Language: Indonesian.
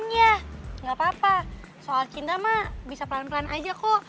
ya nggak apa apa soal cinta mah bisa pelan pelan aja kok